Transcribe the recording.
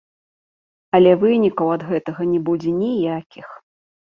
Але вынікаў ад гэтага не будзе ніякіх.